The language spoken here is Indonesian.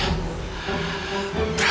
aku sudah bunga